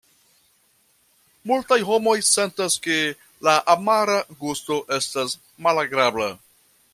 Multaj homoj sentas ke la amara gusto estas malagrabla.